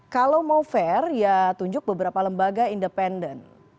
kalau mau fair ya tunjuk beberapa lembaga independen